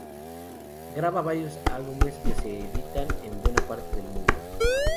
Graba varios álbumes que se editan en buena parte del mundo.